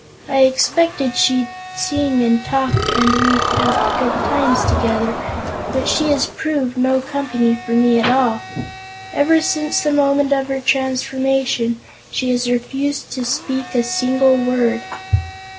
I expected she'd sing and talk and we'd have good times together; but she has proved no company for me at all. Ever since the moment of her transformation, she has refused to speak a single word."